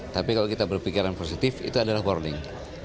tapi kalau kita berpikiran positif itu adalah warning